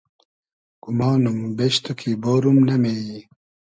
گومانیم بیش تو کی بۉروم ، نۂ مې یی